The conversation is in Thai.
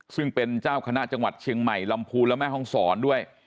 ซึ่งเป็นเจ้าคณะจังหวัดเชียงใหม่ลำพูนและแม่ห้องศรด้วย